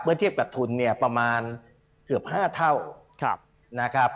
เทียบกับทุนเนี่ยประมาณเกือบ๕เท่านะครับ